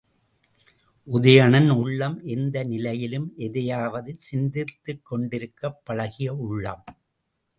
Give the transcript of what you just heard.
உதயணன் உள்ளம் எந்த நிலையிலும் எதையாவது சிந்தித்துக் கொண்டிருக்கப் பழகிய உள்ளம்.